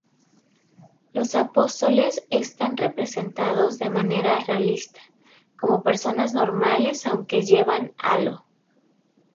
Los apóstoles están representados de manera realista, como personas normales aunque llevan halo.